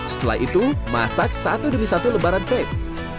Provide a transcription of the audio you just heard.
setelah itu masak satu demi satu lebaran klip